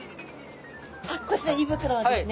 こちら胃袋ですね。